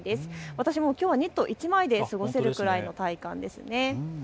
私もきょうはニット１枚で過ごせるくらいの体感です。